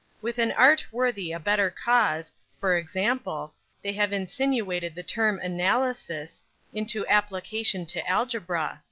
With an art worthy a better cause, for example, they have insinuated the term 'analysis' into application to algebra.